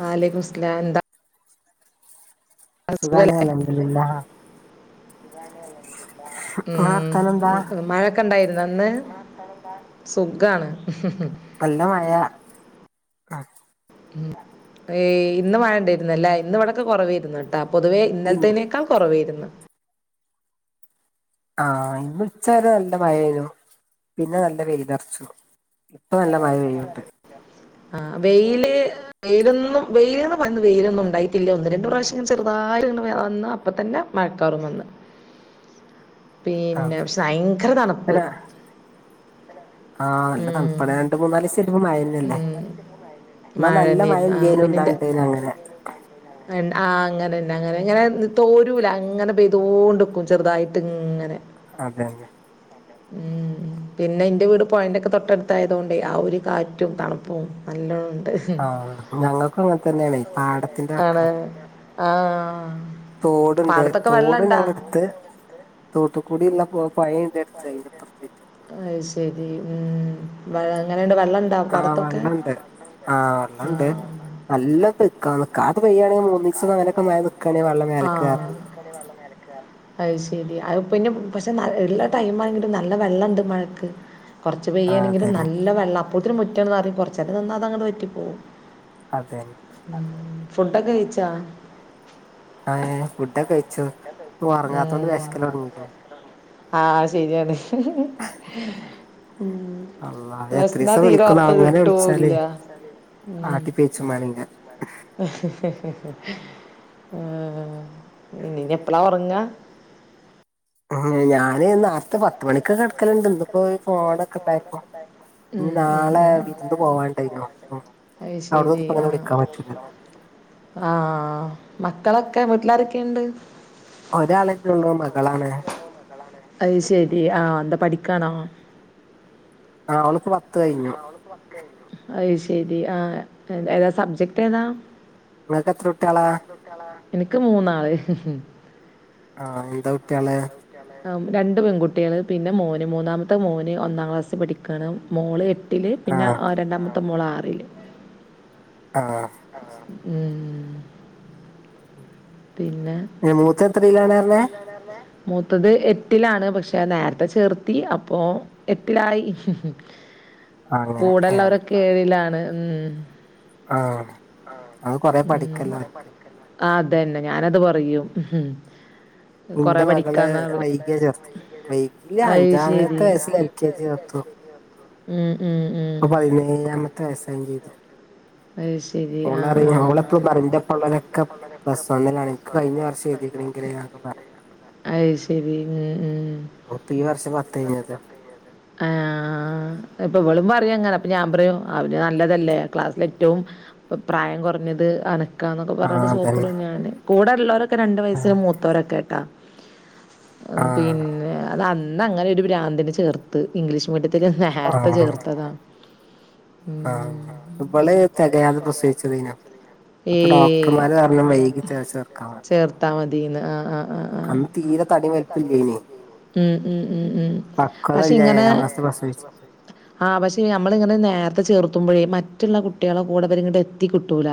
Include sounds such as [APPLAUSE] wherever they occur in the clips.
വലൈകുസ്സലാം ന്താ അ സുഖല്ലേ ഉം മഴ ക്കണ്ടായിർന്നോന്ന് ഇങ്ങളെ വർത്താനെന്താ. സുഖാണ്ഹ് ഹ് ഹ് നല്ലമയ ഏയ് ഇന്ന് മഴണ്ടേർന്നില്ല ഇന്നവടൊക്കെ കുറവേർന്നുട്ടാ പൊതുവേ ഇന്നൽത്തേനേ ക്കാ കൊറവേയിരുന്നു ആഹ് ഇന്നുച്ച വരേ നല്ല മയേനു പിന്നെ നല്ല വെയ്ലർച്ചു ആ വെയില് വെയിലൊന്നും വെയില്ന്ന് പറന്ന വെയിലൊന്നും ഉണ്ടായിട്ടില്ല ഒന്ന് രണ്ടു പ്രാവശ്യം ചെറുതായിട്ട്ങ്ങനെ ഒന്നാ പ്പൊ തന്നെ മഴക്കാറും വന്നു പിന്നെ പഷെ ഭയങ്കര തണുപ്പ് ആ നല്ല തണുപ്പാണ് രണ്ട് മൂന്നാലീസായ്ട്ട്പ്പൊ മഴന്നെ ല്ലേ ന്നാ നല്ല മഴല്ലേനും ന്നാണ്ടേനും അങ്ങനെ ആ അങ്ങനെന്നെ അങ്ങനെ ഇങ്ങനെ തോരൂല അങ്ങനെ പെയ്തോണ്ട്ക്കും ചെറുതായിട്ടിങ്ങനെ അതെന്നെ ഉം പിന്നെ ഇന്റെ വീട് പോഴന്റൊക്കെ തൊട്ടടുത്തായതോണ്ടേയ് ആ ഒരു കാറ്റും തണുപ്പ ഓഹ് നല്ലോണംണ്ട് ആണ ആഹ് തോടുണ്ട് തോടും ഞങ്ങളട്ത്ത് തോട്ട്ക്കൂടി ള്ള പൊയിംണ്ടടുത്ത് അതിന്റെപ്പറത്തീട്ടെ അയ് ശരി ഉം വ അങ്ങനെയണ്ട് വെള്ളം ആ വള്ളണ്ട് ആ വള്ളണ്ട് നല്ല തക്ക നിക്കാതെ പെയ്യാണെങ്കി മൂ ന്നീസം അങ്ങനൊക്കെ മയ നിക്കാണെങ്കി വള്ളം മേലക്കേറല്ണ്ട് അത് ശരി അത് പിന്നെ പക്ഷെ ന ഉല്ല ടൈം ആണെങ്കിലും നല്ല വെള്ളം ണ്ട് മഴക്ക് കുറച്ച് പെയ്യാണെങ്കില് നല്ല വെള്ള അപ്പോത്തിന് മുറ്റന്നറയും കൊർച്ചേരം നിന്നാ അതങ്ങട് വറ്റിപ്പോകും അതെ ഫുഡൊക്കെ കയിച്ചാ ഏ ഫുടൊക്കെ കഴിച്ചു ഊമ് ആ ശരിയാലേ ഹ് ഹ് മ്മ് വെശ്ന്നാ തീരെ ഒർക്കം കിട്ടുല്യ ഉം ആ ന്ന് നി പ്പളാ ഒർങ്ങാ? ഉം ഞാന് നാർത്തെ പത്ത് മണിക്കൊ കട ക്കല്ണ്ട് ഇന്ന്പ്പോ ഫോണൊക്കെ ണ്ടായപ്പോ ഇനി നാളെ വിരുന്ന് പോവാണ്ടായിനു അവ്ട്ന്ന്പ്പങ്ങനെ വിളിക്കാൻ പറ്റൂലല്ലോ ആ മക്കളൊക്കെ വീട്ടിലാരൊക്കെയുണ്ട് ഒരാളെന്നൊള്ളൂ മകളാണ് അത് ശരി ആ ന്താ പഠിക്കണോ ആ ഓള്പ്പൊ പത്ത് കഴിഞ്ഞു അയ് ശരി ആ ഏതാ സബ്ജക്ട് ഏതാ ങ്ങക്കെത്രുട്ട്യാളാ? എനിക്ക് മൂന്നാള് ഹി ഹി ആ എന്താ കുട്ട്യാള്? രണ്ട് പെൺകുട്ടികള് പിന്നെ മോന് മൂന്നാമത്തെ മോന് ഒന്നാം ക്ലാസ്സിൽ പഠിക്കാണ് മോള് എ ട്ടില് പിന്നെ അ രണ്ടാമത്തെ മോളാറില് ആഹ ഉം പിന്നെ മൂത്തത് എത്രയിലാണെപറഞ്ഞെ മൂത്തത് എട്ടിലാണ് പക്ഷെ നേരത്തെ ചേർത്തി അപ്പോഎട്ടിലായി. കൂടെള്ളവരെക്കെ ഏഴിലാണ് ഉം ആഹ അത് കൊറെ പഠിക്കല്ല അവൾക്ക് ആതന്നെ ഞാനത് പറയും. നിന്റെ മകള് വൈകിയ ചേർത്തത് വൈകിയില്ല അഞ്ചാമത്തെ വയസ്സിൽ എൽ കെ ജി ലെത്തു. ഉം ഉം ഉം ഇപ്പൊ പതിനേഴാമത്തെ വയസ്സായിം ചെയ്തു മോളറിയും അവമ്മളിപ്പോ പറയും ഇന്റോപ്പളോരെക്കെ പ്ലസ് വണിലാനിക്ക് കഴിഞ്ഞ വർഷം എഴുതിക്കണെങ്കിൽ അ പറയും. അഹ് ശെരി ഉം ഉ ഓയിപ്പോ ഈ വർഷം പത്തയിഞ്ഞത്. ആ ഇപ്പൊ ഇവളും പറയാങ്ങനെ അപ്പൊ ഞാൻ പറയോ അവന് നല്ലതല്ലേ ക്ലാസ്സില് ഏറ്റവും പ്രായം കുറഞ്ഞത് അനക്കാ എന്നൊക്കെ പറഞ്ഞിട്ട് സോപ്പിടും ഞൻ കൂടെല്ലരെ ക്കെ രണ്ട് വയസിൽ മൂത്തവരൊക്കെ ആയിട്ടാ. പിന്നെ അത് അന്ന അങ്ങനെ ഒരു ഭ്രാന്തിന് ചേർത്ത്. ഇംഗ്ലീഷ് മീഡിയത്തില് നേർത്തെ ചേർത്തതാ. ആഹ ബളെയെ തികയാതെ പ്രസവിച്ച തേനു അപ്പൊ ഡോക്ടർമാര് പറഞ്ഞു വൈകി ചേർക്കാൻ പറഞ്ഞു. ചേർത്താ മതിന്ന് ആ ആ ആ ആ അന്ന് തീരേ ഉം ഉം ഉം ഉം പക്ഷ ഇങ്ങനെ ആഹ് പക്ഷേ നമ്മളിങ്ങനെ നേരത്തെ ചേർത്തുമ്പോഴേ മറ്റുള്ള കുട്ടികളെ കൂടെവരിങ്ങട്ട്എത്തി കിട്ടൂല.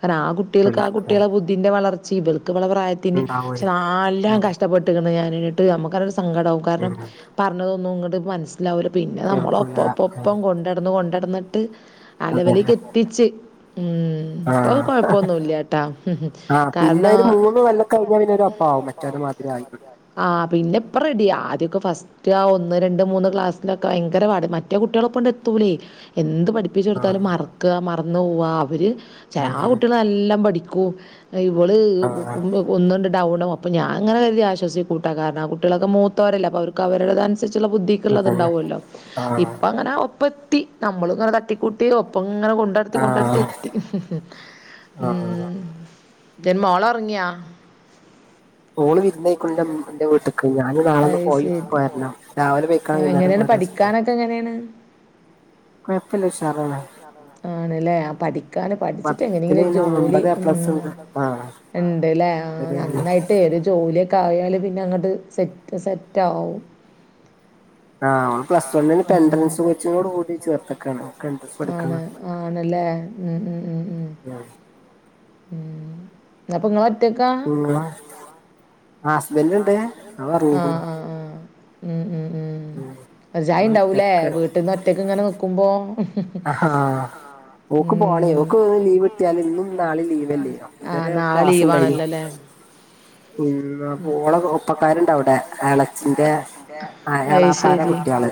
കാരണം ആ കുട്ടികൾക്ക് ആ കുട്ടികളെ ബുദ്ധിന്റെ വളർച്ചയും ഇവൾക്ക് ഇവളെ പ്രായത്തിന്റെ പക്ഷെ നല്ലാം കഷ്ട ഷ്ടപ്പെട്ട ഞാൻ ന്നിട്ട് നമുക്ക് സങ്കടാവും കാരണം പറഞ്ഞതൊന്നും ഇങ്ങട്ട് മനസ്സി ല്ലാപിന്നെ നമ്മള ഒപ്പം ഒപ്പം ഒപ്പം കൊണ്ട് നടന്ന് കൊണ്ടടന്നിട്ട് ആ ലെവലിക്ക് എ ച്ച് ഉം ഇപ്പൊ കൊഴപ്പൊന്നുല്ലട്ടൊ കാരണം കഴിഞ്ഞാ പിന്നെ ഒരു ഒപ്പവും മറ്റാെലെ മാതിരി ആയി കിട്ടൂല്ല. ആ പിന്നെപ്പം റെഡിയ ആദ്യക്കെ ഫസ്റ്റ് മറ്റോ ആ ഒന്ന് രണ്ട് മൂന്ന് ക്ലാസ്സിലൊക്കെ ഭയങ്കര പാട് മറ്റേ കുട്ടികളെ ഒപ്പൊങ്ങട്ട് എത്തൂലേ എന്ത് പഠി പ്പിച്ച് കൊടുത്താലും മറക്ക മറന്ന് പോവാ അവര് ച ആ കുട്ടികളെല്ലാം നല്ലോം പഠിക്കും. ഇവള് ഒന്നുകണ്ട് ഡൗണ് മൊത്തം ഞാനാ അങ്ങനെ ഒരുതി ആശ്വാസികൂട്ടോ കാരണം കുട്ടികളക്കെ മൂത്തവരല്ലെപ്പൊ അവർക്ക് അവരുട അനുസരിച്ചുള്ള ബുദ്ധി ണ്ടാവല്ലോ ഇപ്പ അങ്ങനെ ഒപ്പത്തി നമ്മള ഇങ്ങെനെ തട്ടിക്കൂട്ടി ഒപ്പം ങ്ങനെ കൊണ്ട കൊണ്ടടുത്തി കൊണ്ടടുത്തി എത്തി ഉം എന്തെ മോള ഒറങ്ങിയാ. അത് ശരി എങ്ങനെയ പഠിക്കാനൊക്കെ ഇക്കങ്ങനെയാണ്. കുഴപ്പില്ല ഉഷാറാണ്. ആണല്ലേ [UNINTELLIGIBLE] പരിക്കാൻ പഠിച്ചിട്ട് എങ്ങനെങ്കിലും ഒരു ജോലി ഉം ഉണ്ട്ല്ലേ നന്നായിട്ട് ട്ടേ ഒരു ജോലിയൊക്കെ ആയല് പിന്നെ അങ്ങോട്ട് സെറ്റ് സെറ്റ ആകും. ആ പ്ലസ് വണ് എൻട്രൻസ് കോച്ചിങ്ങോട് കൂടി ചേർത്തക്കാണ് ഓൾക്ക് എൻട്രൻസ് പടിക്കാൻ ആണല്ലേ ഉം ഉം ഉം ഉ ഉ അപ്പൊങ്ങളെറ്റൊക്കാ. ആഹ ആഹ ആഹ ഉം ഉ ഒരുചായിണ്ടാവൂല്ലേ വീട്ടിന്ന് ഒറ്റയ്ക്ക് ഇങ്ങനെ നിക്കുമ്പോ ആഹാ ഓക്ക് പോണേ ഓക്ക്ന്ന് ലീവ് കട്ടിയാല് ഇന്നും ൻ ന്നാലിം ലീവല്ലേനോ. അപ്പതരേ ക്ലാസ്ണ്ടായിനി [UNINTELLIGIBLE] ഒപ്പക്കാരുണ്ടവ്ടെ എളച്ചിന്റെ ആ ഏളാപ്പാരെ കുട്ട്യാള്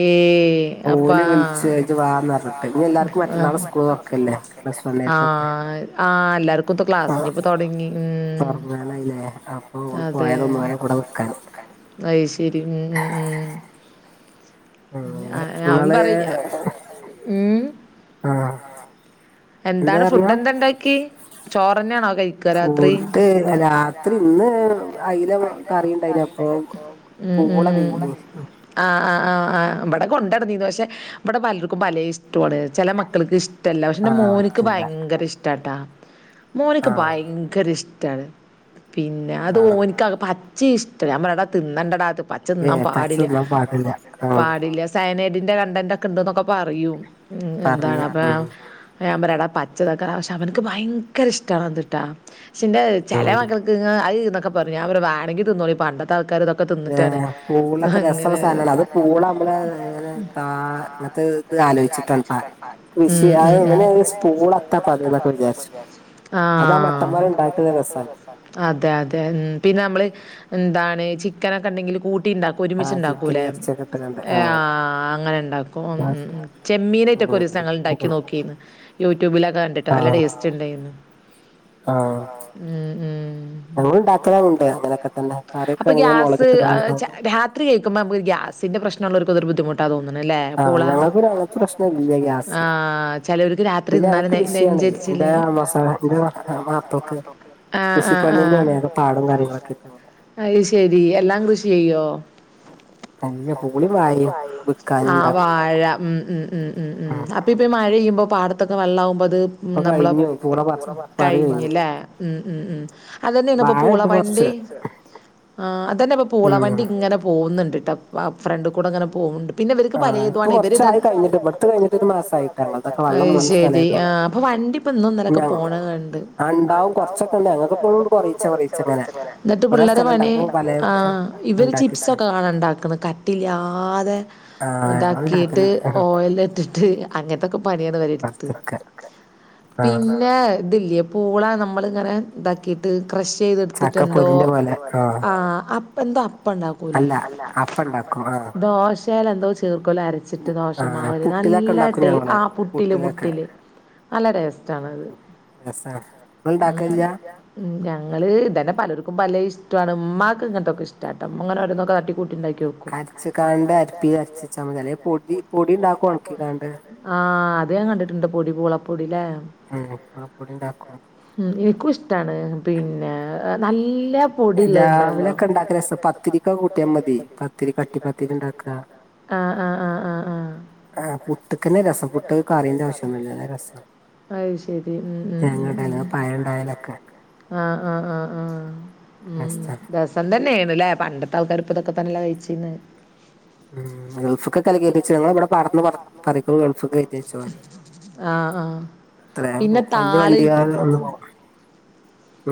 ഏഹ് എ അപ്പ ആഹ് [INAUDIBLE] ആഹ് അത് ആഹ് എല്ലാർക്കു ഇപ്പൊത്തെ ക്ലാസ്സ് ഇനിപ്പൊ തൊടങ്ങി ഉം അതെ അയ്ശരി ഉ ഉ ഉം ആഹ് ആഹ് അവൻ പറയും ഉം, എന്താണ് ഫുഡ് എന്താണ്ടാക്കി? ചോറെന്നാണോ കഴി ഫ്രൂട്ട് അല്ല രാത്രി ഇന്ന് അയ്‌ല കറിണ്ടായിന്നപ്പോ കൂള പീങ്ങ്യേ ആഹ് ആ ആ ആ ഇബടെ കൊണ്ടടന്നീന്ന്. പഷേ ഇവടെ പലർക്കും പലേ ഇഷ്ടു ആണ്. ചെല മക്കൾക്ക് ഇഷ്ടല്ല. പഷേ ൻ്റെ മോന്ക്ക് ഭയങ്കര ഇഷ്ടാട്ടാ. മോന്ക്ക് ഭയങ്കര ഇഷ്ടാണ്. പിന്നെ അത് ഓന്ക്ക് അകെ പ എച്ചി ഇഷ്ടല്ല ഞമ്പറ എടാ തിന്നണ്ടടാ ത് പച്ച തിന്നാ പാടില്ല- പാടില്ല സയനേഡിന്റെ കണ്ടന്റ് ഒക്കെ ഇണ്ടന്നൊക്കെ പറയും ഉ എന്താണ് അപ്പ ഞാൻ പറയും എടാ [UNINTELLIGIBLE] പക്ഷെ അവനിക്ക് ഭയങ്കര ഇഷ്ടാണ് അത്ട്ടാ പക്ഷെന്റെ ചെല മക്കൾ ക്ക് ങ്ങളെ അയ്ന്നൊക്കെ പറീം. ഞാൻ ബറിം. വാണെങ്കി തിന്നോളി. പണ്ടത്തെ ആൾക്കാരിതൊ ക്കെ ത്‌ന്ന്ട്ടാണ്. ഹ ങ്ങനെ [INAUDIBLE] [INAUDIBLE] ഉം ഉം ഉം [INAUDIBLE] ആഹ് [INAUDIBLE] അതെ അതെ ആ. പിന്നെ നമ്മള് എന്താണ് ചിക്കനൊക്കെ ണ്ടെങ്കില് കൂട്ടി ണ്ടാ ഒരുമിച്ച് ണ്ടാക്കൂലേ ഏ, ആഹ് അങ്ങനെ ണ്ടാക്കും. ഉം ഉം ഉം ചെമ്മീനൈറ്റക്ക് ഒരീസങ്ങള് ണ്ടാക്കി നോകീന്ന് യൂട്യൂബിലൊക്കെ കണ്ട്ട്ടാ. നല്ല ടേസ്റ്റ് ണ്ടായിന്നു ആഹ് ഉം ഉം [INAUDIBLE] അപ്പൊ ഗ്യാസ് അഹ് ചാ രാ ത്രി കഴിക്കുമ്പ മ്മക് ഒര് ഗ്യാസിൻ്റെ പ്രശ്നല്ലോർക്കതൊരു ബുദ്ധിമു ആഹ് ഞങ്ങൾക്ക് പിന്നെ അങ്ങൻത്തെ പ്രശ്നല്ല. ഗ്യാസ് പിന്നെ ആ കുഷി ആണേ. ൻ്റെ അമ്മോസൻക ന്റെ മാപ്പൾക്ക് കൃഷിപ്പണിന്ന് വേറെ പാടും കാര്യങ്ങളൊക്കെണ്ട്ങ്ങനെ അയ് ശെരി. എല്ലാം കൃഷി ചെയ്യോ? [INAUDIBLE] ആ വാഴ ഉം ഉം ഉം ഉം അ അപ്പോത് മഴെയ്യുമ്പോ പാടത്തൊക്കെ വല്ലാവുമ്പോത് ഇപ്പ കഴിഞ്ഞു. പുറ- കഴിഞ്ലേ ഉം ഉ ഉം അതെന്നേണ്പ്പൊ പൂളവണ്ടി ആഹ്, അതന്നെ പ്പ പൂളവണ്ടി ങ്ങനെ പോവുന്നുണ്ട്ട്ട. ആ ഫ്രണ്ട് കൂടെങ്ങനെ പോവ്ണ്ട്. പിന്നെ ഇവർക്ക് പലേതു ആണെ. ഇവര് ദ [INAUDIBLE] അയ് ശരി. ആ. അപ്പ വണ്ടി- പ്പം ഇന്നും ന്നലൊക്കെ പോണ കണ്ട്. [INAUDIBLE] എന്നിട്ട് പിള്ളേരെ പണി ഇവർ ചിപ്സൊക്കെ കാണണു ണ്ടാക്കുന്നത് കട്ടില്ലാതെ താക്കിയിട്ട് ഓയിൽല് ത് ത്ത് അങ്ങൻത്തെക്കെ പണിയാണ് അവരെട്ത്ത്. പിന്നെ ത്‌ല്ലെ പൂള നമ്മള് ങ്ങനെ താക്കിട്ട് ക്രഷ് ചെയ്തെടുത്തിട്ട് എന്തോ [INAUDIBLE] ആ പ്പന്താ അപ്പ ണ്ടാക്കൂലേ? ദോശേലെന്തോ ചേർകൊല്ലോ അര ച്ചിട്ട് ദോഷമാവില് നല്ല ടേ ആ പുട്ടില് പുട്ടില് നല്ല ടേസ്റ്റ് ആണത്. ഉം ഉം. ഞങ്ങള് ഇതന്നെ പലർക്കും പല ഇഷ്ടാണ്. മ്മാക് ഇങ്ങൻത്തൊക്കെ ഇഷ്ടാട്ടൊ. ഇമ്മ ഓരോന്നൊക്കെ തട്ടിക്കൂട്ടിണ്ടാക്കി ഓക്കും. അരച്ച്കാണ്ട് അരപ്പി അരചാച്ചാമതി അല്ലെ പൊടി പൊടി ഇണ്ടാക്കും ഉണക്കി കാണ്ട് ആ അത് ഞാൻ കണ്ടിട്ട്ണ്ട് പൊടി പൂളപ്പൊടില്ലേ മ് പൂളപ്പൊടിണ്ടാക്കും ഇന്ക്കും ഇഷ്ട്ടാണ് പിന്നെ നല്ല രാവിലെ ഒക്കെ ഉണ്ടാക്ക രസം പത്തിരിക്കൊക്കെ കൂട്ടിയാ മതി [UNINTELLIGIBLE] പത്തിരി ഇണ്ടാക്കാ ആഹ് ആഹ് ആഹ് ആഹ് ആഹ് ആ പുട്ടക്കന്നെ രസം പുട്ട് കറിന്റാവശ്യൊന്നുല്ല [UNINTELLIGIBLE] രസം അത് ശരി ഉ ഉം ഉ ആഹ് ആഹ് ആഹ് ആ ഉം [UNINTELLIGIBLE] രസം തന്നേണ്ല്ലേ പണ്ടത്തെ ആൾക്കാര് ഇപ്പൊ ഇതൊക്കെ തന്നെയല്ല കഴിച്ചീന്നെ ഉം ഗൾഫ്ക്കൊക്കെലെ കേറ്റിച്ചെ ഞങ്ങളെ ഇവിടെ പാറന്ന് പറുള്ളൂ ഗൾഫ്ക്ക് കേറ്റിച്ചു പോലെ [UNINTELLIGIBLE] പോ വലിയ വണ്ടികാര് ഒന്ന് പോ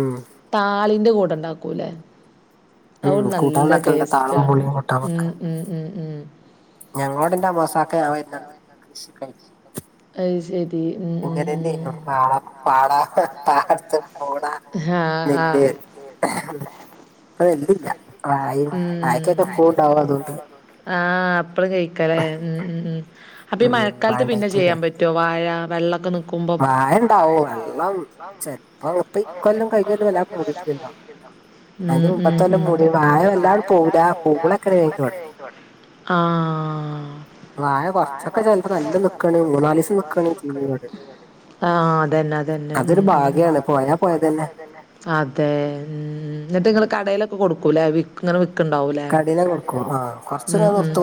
ഉം താളിന്റെ കൂടെണ്ടാക്കൂല്ലേ ഉം കൂട്ടാവെക്കല്ണ്ട് താളും പൂളിം കൂട്ടാൻ വെക്ക ഞങ്ങളോടെന്റെ അമോസാക്ക വര്ണണ്ടെന്ന് [UNINTELLIGIBLE] അഹ് ശരി ഇങ്ങനെന്നേന്നു പാട പാട പാടത്ത് പൂള നെല്ല് [UNINTELLIGIBLE] വായക്കൊക്കെ എപ്പോണ്ടാവും അതുകൊണ്ട് ആഹ് എപ്പളും കഴിക്കല്ലേ ഉം ഉം അപ്പൊ ഈ മഴക്കാലത്ത് പിന്നെ ചെയ്യാൻ പറ്റും മറ്റോ വായ വെള്ളൊക്കെ നി മ്പം ഉം ഉം വായ വെല്ലാ പോവൂല പൂളെക്കെ വേം കേടരും [UNINTELLIGIBLE] ആഹ് വായ കുറച്ചൊക്കെ ചിലപ്പോ നല്ല നിക്കാണെ മൂന്നാലീസം നിക്കാണെ [UNINTELLIGIBLE] ആഹ് അതന്നെ അതന്നെ ഉം അതെ എന്നിട്ട് നിങ്ങള് കടേലൊക്കെ കൊടുക്കൂലേ ഇങ്ങനെ വിക്ക്ണ്ടാവൂലേ ഉം ഉം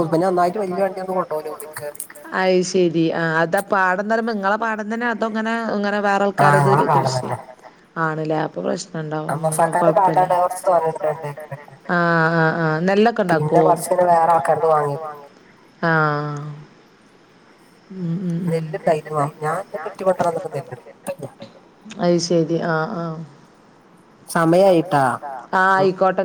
അയ്ശെരി ആ അതാ പാടം ന്നറിമ്പം നിങ്ങളെ പാടം തന്നെ അതോ ഇങ്ങനെ ഇങ്ങനെ വേറെ ആൾക്കാരത് കൃഷി ആണ്ല്ലേ അപ്പൊ പ്രശ്നണ്ടാവും കൊഴപ്പല്ല ആഹ് ആഹ് ആ നെല്ലൊക്കെ ഇണ്ടാക്കോ ആഹ് ഉം ഉം രണ്ട് തൈ [UNINTELLIGIBLE] ഞാൻ അയ്ശരി ആ ആ ആ ആയിക്കോട്ടെ